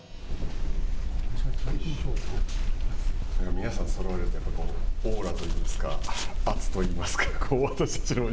皆さん、そろわれて、オーラといいますか、圧といいますか私たちに。